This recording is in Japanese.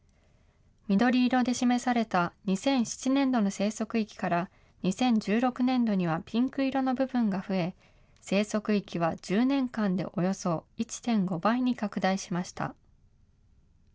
緑色で示された２００７年度の生息域から２０１６年度にはピンク色の部分が増え、生息域は１０年間でおよそ１．５倍に拡大しました。